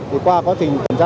cuộc qua có thể tẩm ra